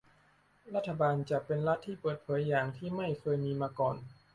รัฐบาลจะเป็นรัฐที่เปิดเผยอย่างที่ไม่เคยมีมาก่อน